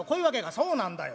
「そうなんだよ。